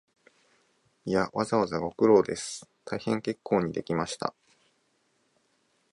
いや、わざわざご苦労です、大変結構にできました